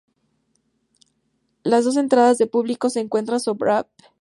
Las dos entradas de público se encuentran sobre Av.